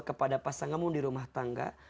kepada pasanganmu di rumah tangga